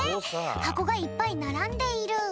はこがいっぱいならんでいる。